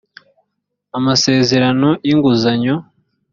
amasezerano y inguzanyo